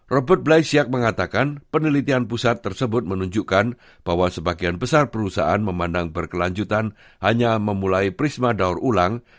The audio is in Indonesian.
robert blay siak mengatakan penelitian pusat tersebut menunjukkan bahwa sebagian besar perusahaan memandang berkelanjutan hanya memulai prisma daur ulang